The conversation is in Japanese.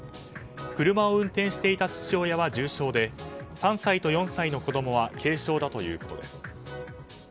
車を運転していた父親は重傷で３歳と４歳の子供は軽傷だということです。